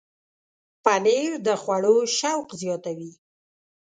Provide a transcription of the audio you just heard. پنېر د خوړو شوق زیاتوي.